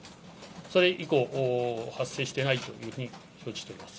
それ以降、発生してないというふうに承知しております。